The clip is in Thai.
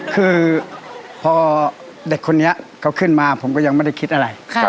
คือพอเด็กคนนี้เขาขึ้นมาผมก็ยังไม่ได้คิดอะไร